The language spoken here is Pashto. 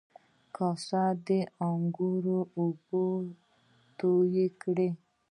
کاسي د و ړانګو د اوبو توی کړي